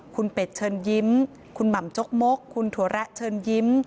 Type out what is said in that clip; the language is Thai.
คุณเป็ดเชิญยิ้มคุณหม่ำจกมกคุณถั่วแระเชิญยิ้ม